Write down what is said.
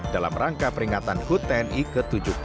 dalam rangka peringatan hut tni ke tujuh puluh tiga